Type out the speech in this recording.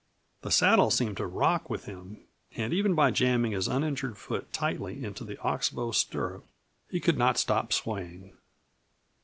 The saddle seemed to rock with him, and even by jamming his uninjured foot tightly into the ox bow stirrup he could not stop swaying.